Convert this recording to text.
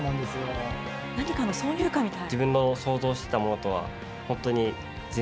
何かの挿入歌みたい。